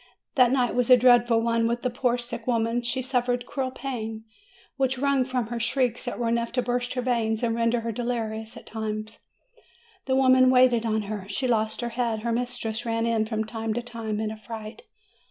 That night was a dreadful one for the poor sick woman. She suffered cruel pain, which wrung from her shrieks that were enough to burst her veins, and rendered her delirious at times. The women waited on her. She lost her head. Her mistress ran in, from time to time, in affright.